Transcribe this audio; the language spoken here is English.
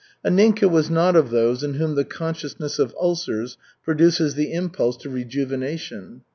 Anninka was not of those in whom the consciousness of ulcers produces the impulse to rejuvenation.